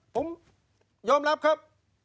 ผมยอมรับครับ